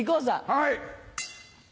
はい。